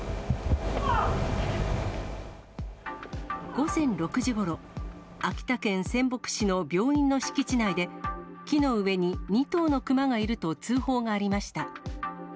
午前６時ごろ、秋田県仙北市の病院の敷地内で、木の上に２頭のクマがいると通報がありました。